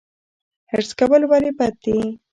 حرص کول ولې بد دي؟